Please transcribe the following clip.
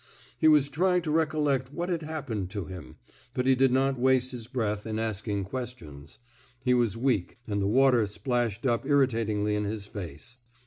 He was trying to recollect what had happened to him, but he did not waste his breath in asking questions. He was weak, and the water splashed up irritatingly in his face.